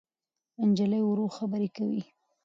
نجلۍ ورو خبرې کوي.